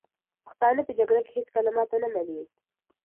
پښتانه په جګړه کې هېڅکله ماته نه مني.